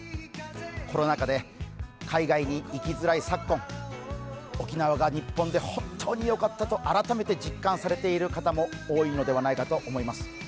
コロナ禍で海外に行きづらい昨今、沖縄が日本で本当によかったと改めて実感されている方も多いのではないかと思います。